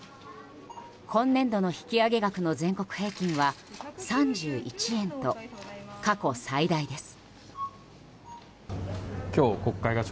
今年度の引き上げ額の全国平均は３１円と過去最大です。